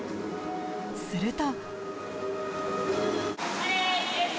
すると。